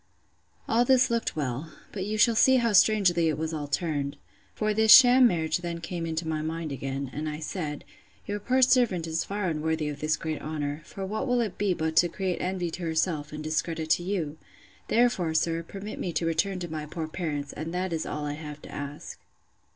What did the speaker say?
All this looked well; but you shall see how strangely it was all turned. For this sham marriage then came into my mind again; and I said, Your poor servant is far unworthy of this great honour; for what will it be but to create envy to herself, and discredit to you? Therefore, sir, permit me to return to my poor parents, and that is all I have to ask.